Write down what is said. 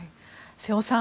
瀬尾さん